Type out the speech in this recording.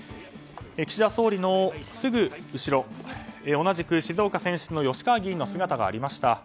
岸田総理のすぐ後ろ同じく静岡選出の吉川議員の姿がありました。